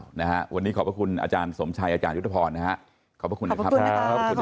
วันนี้ขอบคุณอาจารย์สมชัยอาจารย์ยุธพรขอบคุณนะครับ